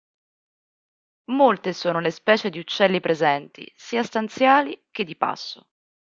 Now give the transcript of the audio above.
Molte sono le specie di uccelli presenti, sia stanziali che di passo.